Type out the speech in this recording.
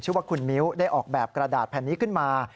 ว่าคุณมิ้วได้ออกแบบกระดาษแผ่นนี้ขึ้นมา